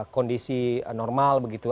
kondisi normal begitu